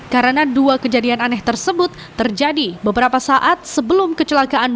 karena dua kejadian aneh tersebut terjadi beberapa saat sebelum kecelakaan